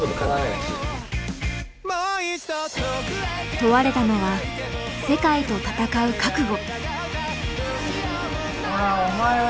問われたのは世界と戦う覚悟。